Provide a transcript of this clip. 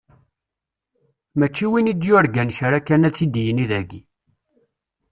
Mačči win i d-yurgan kra kan, ad t-id-yini dayi.